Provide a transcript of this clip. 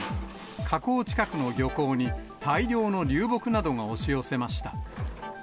河口近くの漁港に大量の流木などが押し寄せました。